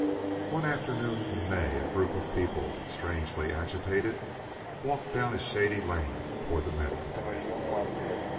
One afternoon in May a group of people, strangely agitated, walked down a shady lane toward the meadow.